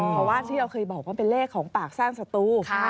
เพราะว่าที่เราเคยบอกว่าเป็นเลขของปากสร้างศัตรู